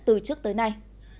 từ trước tới nay